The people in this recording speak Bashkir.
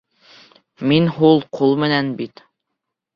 Мин һул ҡул менән бит.